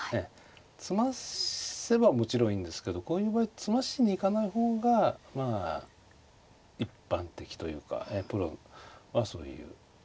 詰ませばもちろんいいんですけどこういう場合詰ましに行かない方がまあ一般的というかプロはそういう。